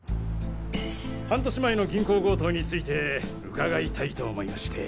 半年前の銀行強盗について伺いたいと思いまして。